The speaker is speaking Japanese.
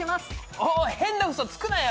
おっ、変なうそつくなよ。